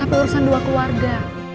tapi urusan dua keluarga